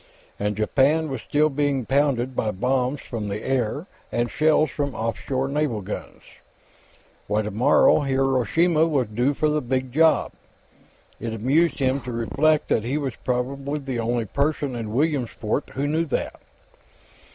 And Japan was still being pounded by bombs from the air and shells from off shore naval guns. Why, tomorrow, Hiroshima was due for the Big Job! It amused him to reflect that he was probably the only person in Williamsport who knew that.